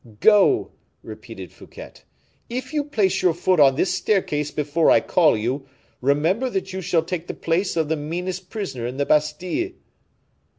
"Go!" repeated Fouquet. "If you place your foot on this staircase before I call you, remember that you shall take the place of the meanest prisoner in the Bastile."